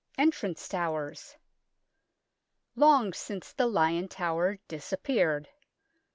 ENTRANCE TOWERS EtfG since the Lion Tower disap peared.